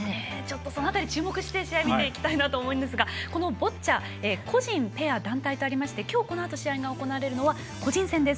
その辺り注目して見ていきたいと思うんですがこのボッチャ個人、ペア、団体とありまして今日このあと試合が行われるのは個人戦です。